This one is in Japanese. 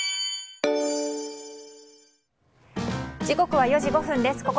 時刻は４時５分です。